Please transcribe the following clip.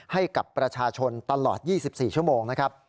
ให้กับประชาชนตลอด๒๔ชั่วโมง